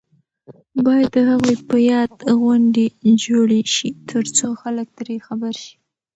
باید د هغوی په یاد غونډې جوړې شي ترڅو خلک ترې خبر شي.